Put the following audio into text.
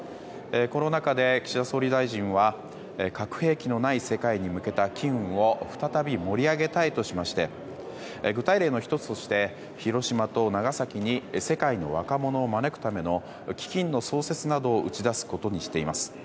この中で岸田総理大臣は核兵器のない世界に向けた機運を再び盛り上げたいとしまして具体例の１つとしまして広島と長崎に世界の若者を招くための基金の創設などを打ち出すことにしています。